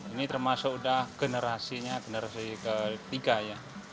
ini termasuk udah generasinya generasi ketiga ya